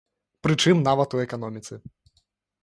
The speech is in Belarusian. Прычым нават у эканоміцы.